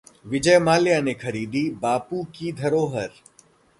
विजय माल्या ने खरीदी बापू की धरोहर